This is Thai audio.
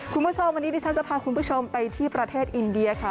คุณผู้ชมวันนี้ดิฉันจะพาคุณผู้ชมไปที่ประเทศอินเดียค่ะ